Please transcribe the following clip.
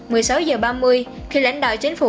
một mươi sáu h ba mươi khi lãnh đạo chính phủ